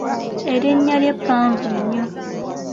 Erinnya lye ppanvu nnyo.